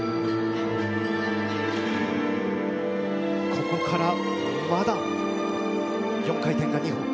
ここからまだ４回転が２本。